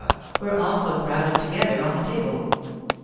were also crowded together on the table.